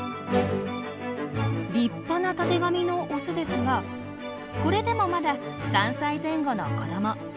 立派なたてがみのオスですがこれでもまだ３歳前後の子ども。